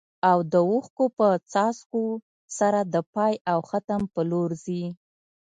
او د اوښکو په څاڅکو سره د پای او ختم په لور ځي.